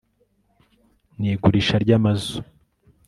n igurisha ry amazu